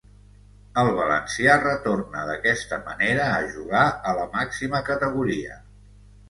El valencià retorna d'aquesta manera a jugar a la màxima categoria.